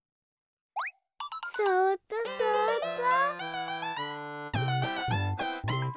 そうっとそうっと。